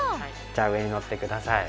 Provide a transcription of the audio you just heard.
じゃあ上にのってください。